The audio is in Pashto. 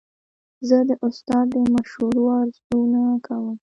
زه د استاد د مشورو ارزونه کوم.